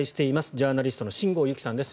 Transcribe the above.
ジャーナリストの新郷由起さんです